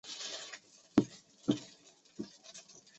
拉特纳普勒区是斯里兰卡萨伯勒格穆沃省的一个区。